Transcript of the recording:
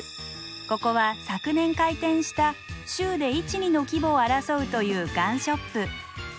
ここは昨年開店した州で一二の規模を争うというガンショップ。